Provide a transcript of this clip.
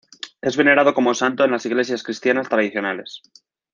Es venerado como santo en las Iglesias cristianas tradicionales.